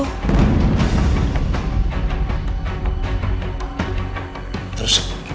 dia gue dateng